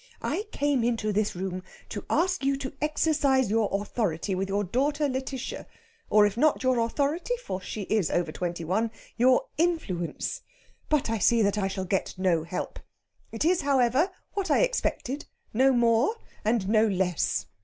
I came into this room to ask you to exercise your authority with your daughter Lætitia, or if not your authority for she is over twenty one your influence. But I see that I shall get no help. It is, however, what I expected no more and no less."